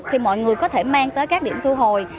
thì mọi người có thể mang tới các điểm thu hồi